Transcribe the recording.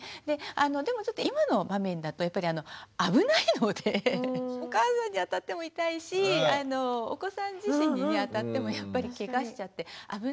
でもちょっと今の場面だとやっぱり危ないのでお母さんに当たっても痛いしお子さん自身に当たってもやっぱりケガしちゃって危ないので。